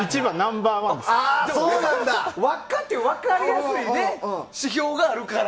輪っかって分かりやすい指標があるから。